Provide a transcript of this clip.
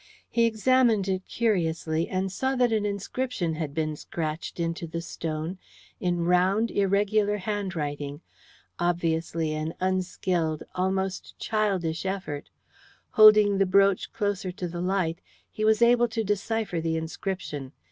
He examined it curiously, and saw that an inscription had been scratched into the stone in round, irregular handwriting obviously an unskilled, almost childish effort. Holding the brooch closer to the light, he was able to decipher the inscription.